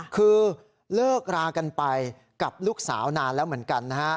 คือเลิกรากันไปกับลูกสาวนานแล้วเหมือนกันนะฮะ